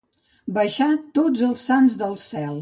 Baixar tots els sants del cel.